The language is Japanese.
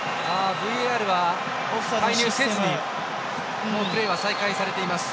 ＶＡＲは介入せずにプレーは再開されています。